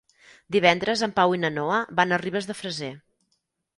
Divendres en Pau i na Noa van a Ribes de Freser.